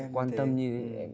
quan tâm như thế